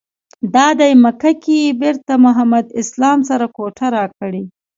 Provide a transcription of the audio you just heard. دادی مکه کې یې بېرته محمد اسلام سره کوټه راکړې.